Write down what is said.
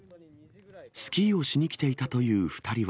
スキーをしに来ていたという２人は。